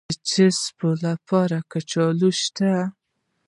د چپسو لپاره کچالو شته؟